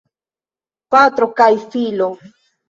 Patro kaj filo.